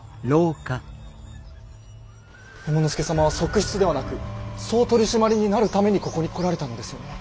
右衛門佐様は側室ではなく総取締になるためにここに来られたのですよね。